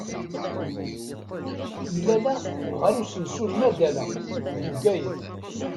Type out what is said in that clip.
Mlaleɣ-t ɣur usensu n Madala, deg Bgayet.